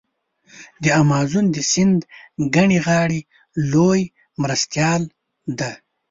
د امازون د سیند کیڼې غاړي لوی مرستیال دی.